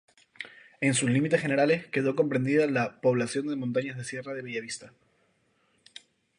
En sus límites generales quedó comprendida la ""Población de Montañas Sierras de Bellavista"".